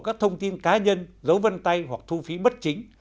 các thông tin cá nhân dấu vân tay hoặc thu phí bất chính